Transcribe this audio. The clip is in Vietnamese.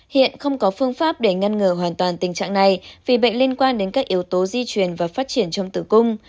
hiện không có phương pháp để ngăn ngừa hoàn toàn tình trạng này vì bệnh liên quan đến các yếu tố di truyền và phát triển trong tử cung